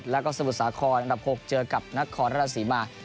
แล้วก็สมุทรสาคอร์อันดับ๖เจอกับนักคอร์นราศีมาร